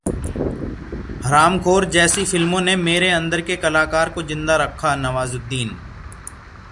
'हरामखोर' जैसी फिल्मों ने मेरे अंदर के कलाकार को जिंदा रखा: नवाजुद्दीन